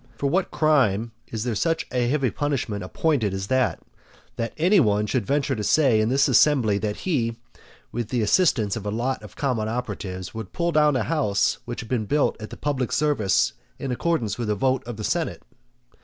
For, for what crime is there such a heavy punishment appointed as that, that any one should venture to say in this assembly that he, with the assistance of a lot of common operatives, would pull down a house which had been built at the public expense in accordance with a vote of the senate?